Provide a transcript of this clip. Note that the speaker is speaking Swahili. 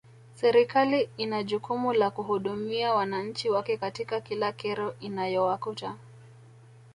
Serikali in jukumu la kuhudumia wananchi wake katika kila kero inayowakuta